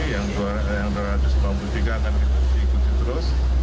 yang dua ratus lima puluh tiga akan diikuti terus